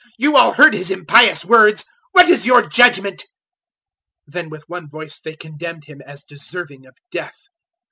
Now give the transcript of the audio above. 014:064 You all heard his impious words. What is your judgement?" Then with one voice they condemned Him as deserving of death.